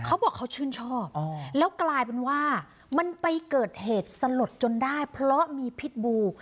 เขาบอกเขาชื่นชอบแล้วกลายเป็นว่ามันไปเกิดเหตุสลดจนได้เพราะมีพิษบู